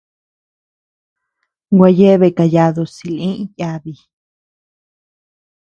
Gua yeabea kayadu silï yabi.